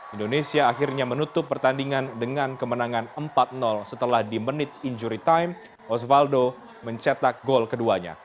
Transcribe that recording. indonesia akhirnya menutup pertandingan dengan kemenangan empat setelah di menit injury time osvaldo mencetak gol keduanya